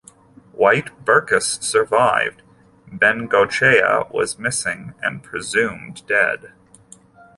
While Berkus survived, Bengoechea was missing and presumed dead.